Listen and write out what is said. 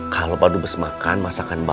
kalau padu bos makan masakan bapak